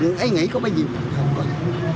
người ấy nghĩ có bao nhiêu không có gì